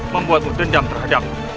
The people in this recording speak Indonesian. membuatmu dendam terhadapku